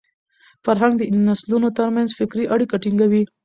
فرهنګ د نسلونو تر منځ فکري اړیکه ټینګوي.